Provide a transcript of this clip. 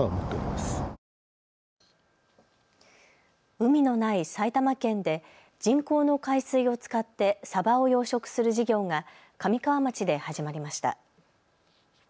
海のない埼玉県で人工の海水を使ってサバを養殖する事業が神川町で始まりました。